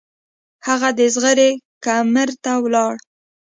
هغه د زغرې کمرې ته لاړ.